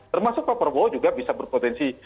termasuk pak prabowo juga bisa berpotensi